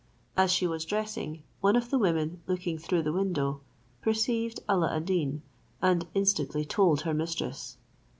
As she was dressing, one of the women looking through the window, perceived Alla ad Deen, and instantly told her mistress.